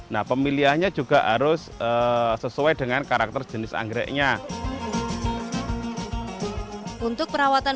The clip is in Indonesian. nah pemilihannya juga harus sesuai dengan karakter jenis anggreknya untuk perawatan